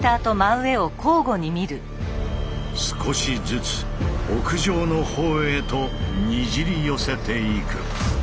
少しずつ屋上のほうへとにじり寄せていく。